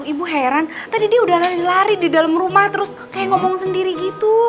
ibu heran tadi dia udah lari di dalam rumah terus kayak ngomong sendiri gitu